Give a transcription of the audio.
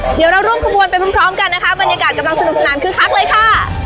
เดี๋ยวเราร่วมขบวนไปพร้อมกันนะคะบรรยากาศกำลังสนุกสนานคึกคักเลยค่ะ